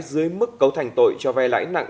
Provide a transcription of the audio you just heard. dưới mức cấu thành tội cho vay lãi nặng